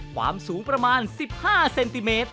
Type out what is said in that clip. ความสูงประมาณ๑๕เซนติเมตร